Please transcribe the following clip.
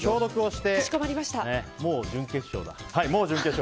もう準決勝だ。